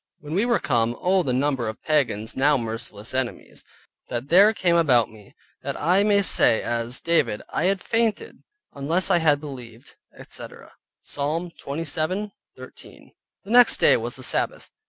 When we were come, Oh the number of pagans (now merciless enemies) that there came about me, that I may say as David, "I had fainted, unless I had believed, etc" (Psalm 27.13). The next day was the Sabbath.